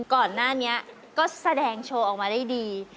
ก่อนหน้านี้ก็แสดงโชว์ออกมาได้ดี